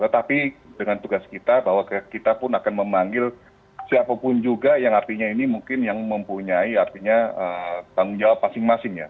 tetapi dengan tugas kita bahwa kita pun akan memanggil siapapun juga yang artinya ini mungkin yang mempunyai artinya tanggung jawab masing masing ya